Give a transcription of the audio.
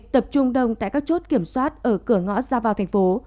tập trung đông tại các chốt kiểm soát ở cửa ngõ ra vào thành phố